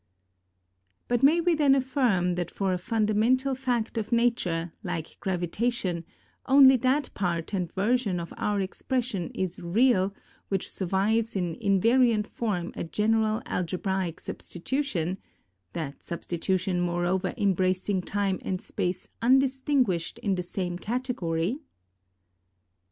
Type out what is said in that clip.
But may we then affirm that for a funda mental fact of Nature, like gravitation, only that part and version of our expression is real which survives in invariant form a general algebraic substitution — that substitution moreover embracing time and space undis tinguished in the same category?